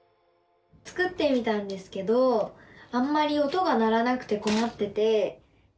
作ってみたんですけどあんまり音が鳴らなくてこまってて。